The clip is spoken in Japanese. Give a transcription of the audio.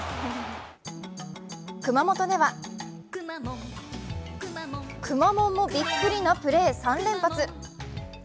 熊本では、くまモンもびっくりなプレー３連発。